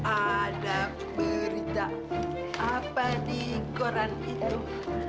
ada berita apa di koran itu